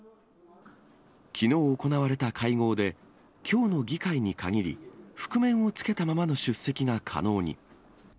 きのう行われた会合で、きょうの議会に限り、覆面をつけたままの出席が可能に。